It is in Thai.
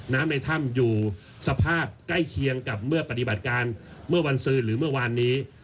ในถ้ำอยู่สภาพใกล้เคียงกับเมื่อปฏิบัติการเมื่อวันซื้อหรือเมื่อวานนี้